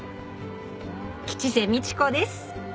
吉瀬美智子です